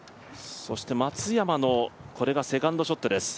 松山のこれがセカンドショットです。